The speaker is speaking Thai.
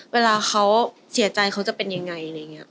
เวลาเขาเสียใจเขาจะเป็นยังไง